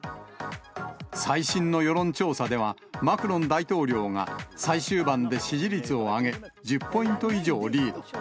最新の世論調査では、マクロン大統領が最終盤で支持率を上げ、１０ポイント以上リード。